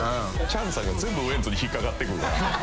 チャンさんが全部ウエンツに引っ掛かってくるから。